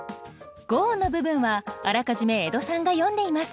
五音の部分はあらかじめ江戸さんが詠んでいます。